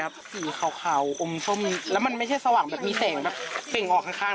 สีขาวแกงเอก